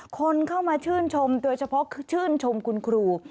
คนเข้ามาชื่นชมโดยเฉพาะชื่นชมคุณครู